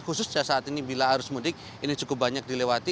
khususnya saat ini bila arus mudik ini cukup banyak dilewati